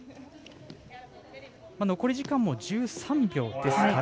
残り時間も１３秒ですから。